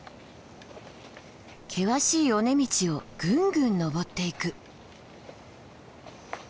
険しい尾根道をぐんぐん登っていく。